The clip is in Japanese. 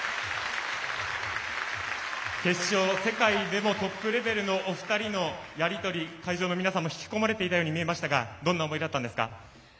決勝、世界でもトップレベルのお二人のやり取り、会場の皆さんも引き込まれていたように見えましたがどんな思いだったんですか。